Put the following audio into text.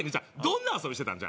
どんな遊びしてたん？